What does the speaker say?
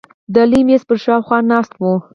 د لوی مېز پر شاوخوا ناست وو.